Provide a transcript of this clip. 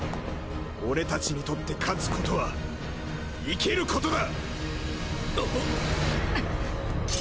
俺たちにとって勝つことは生きることだ！